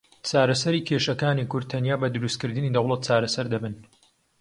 چارەسەری کێشەکانی کورد تەنیا بە دروستکردنی دەوڵەت چارەسەر دەبن.